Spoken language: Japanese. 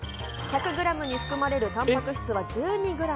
１００グラムに含まれる、たんぱく質は１２グラム。